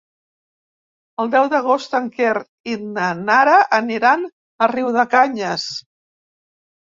El deu d'agost en Quer i na Nara aniran a Riudecanyes.